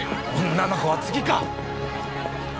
女の子は次か。